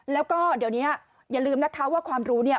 แล้วก็เดี๋ยวนี้อย่าลืมนะคะว่าความรู้เนี่ย